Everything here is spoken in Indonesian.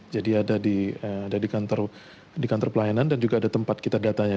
ada di kantor pelayanan dan juga ada tempat kita datanya